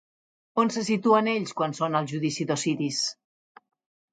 On se situen ells quan són al Judici d'Osiris?